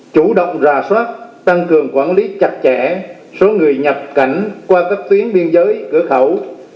chủ động ra soát tăng cường quản lý chặt chẽ số người nhập cảnh qua các tuyến biên giới cửa khẩu